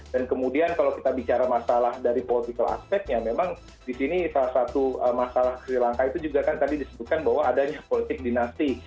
dan kemudian kalau kita bicara masalah dari aspeknya memang disini salah satu masalah sri lanka itu juga kan tadi disebutkan bahwa adanya politik dinasti